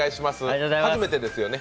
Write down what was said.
初めてですよね？